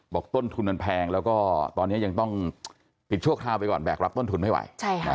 ต้นทุนมันแพงแล้วก็ตอนนี้ยังต้องปิดชั่วคราวไปก่อนแบกรับต้นทุนไม่ไหว